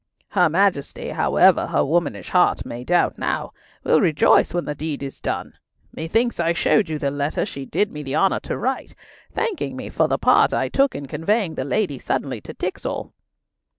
Her Majesty, however her womanish heart may doubt now, will rejoice when the deed is done. Methinks I showed you the letter she did me the honour to write, thanking me for the part I took in conveying the lady suddenly to Tixall."